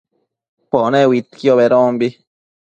Pone uidquio bedombi